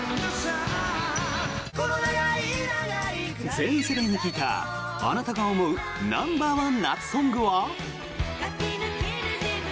全世代に聞いたあなたが思うナンバーワン夏ソングは？